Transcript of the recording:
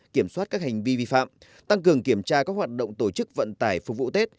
kiểm soát các hành vi vi phạm tăng cường kiểm tra các hoạt động tổ chức vận tải phục vụ tết